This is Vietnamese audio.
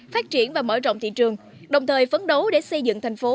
phát triển và mở rộng thị trường đồng thời phấn đấu để xây dựng thành phố